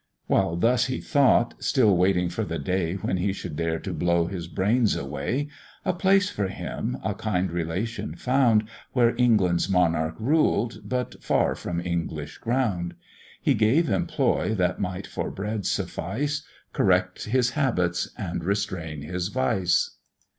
While thus he thought, still waiting for the day When he should dare to blow his brains away, A place for him a kind relation found, Where England's monarch ruled, but far from English ground: He gave employ that might for bread suffice, Correct his habits and restrain his vice.